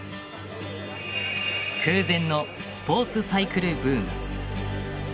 空前のスポーツサイクルブーム。